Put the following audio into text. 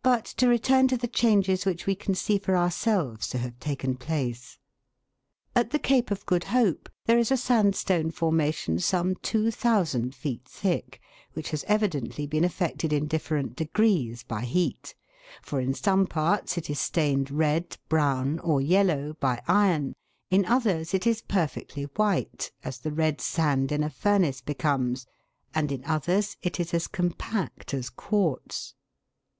But to return to the changes which we can see for our selves to have taken place. SANDSTONE QUARRIES. 113 At the Cape of Good Hope there is a sandstone forma tion some 2,000 feet thick, which has evidently been affected in different degrees by heat, for in some parts it is stained red, brown, or yellow, by iron, in others it is perfectly white, as the red sand in a furnace becomes, and in others it is as compact as quartz.